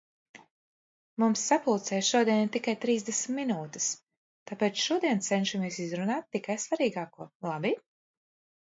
Mums sapulcei šodien ir tikai trīsdesmit minūtes, tāpēc šodien cenšamies izrunāt tikai svarīgāko, labi?